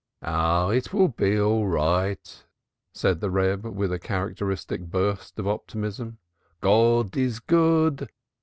"Ah, it will be all right," said the Reb with a characteristic burst of optimism. "God is good.